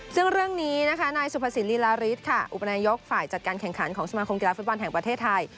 ซึ่งเรื่องนี้นะคะนายสุภสินลีลาริสค่ะอุปนายกฝ่ายจัดการแข่งขันของสมาคมกีฬาฟุตบอลแห่งประเทศไทย